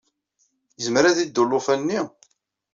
Yezmer ad yeddu ulufan-nni?